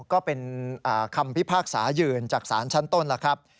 ก็เป็นคำพิพากษายืนจากศาลชั้นต้นแล้วครับ